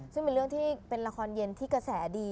ซึ่งเป็นเรื่องที่เป็นละครเย็นที่กระแสดี